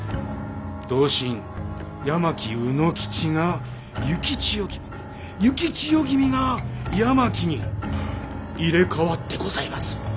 同心八巻卯之吉が幸千代君に幸千代君が八巻に入れ代わってございます。